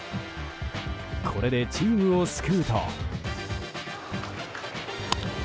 これでチームを救うと。